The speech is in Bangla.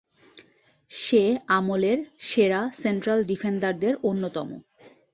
সে আমলের সেরা সেন্ট্রাল ডিফেন্ডার-দের অন্যতম।